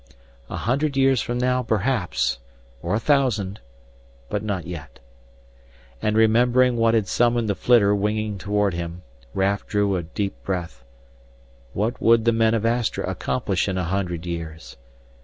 A hundred years from now perhaps or a thousand but not yet. And remembering what had summoned the flitter winging toward him, Raf drew a deep breath. What would the men of Astra accomplish in a hundred years?